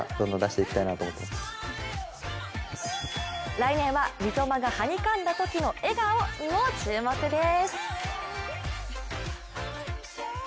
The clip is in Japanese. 来年は三笘がはにかんだときの笑顔にも注目です。